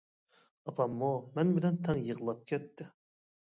ئاپاممۇ مەن بىلەن تەڭ يىغلاپ كەتتى.